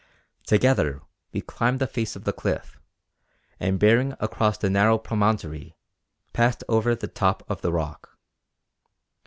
Together we climbed the face of the cliff, and bearing across the narrow promontory passed over the top of the rock.